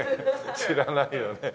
知らないよね。